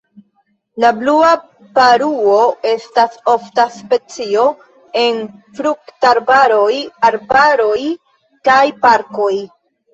La blua paruo estas ofta specio en fruktarbaroj, arbaroj kaj parkoj.